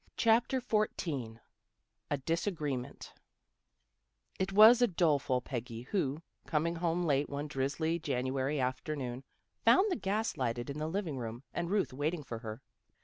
CHAPTER XIV A DISAGREEMENT IT was a doleful Peggy who, coining home late one drizzly January afternoon, found the gas lighted in the living room and Ruth waiting for her.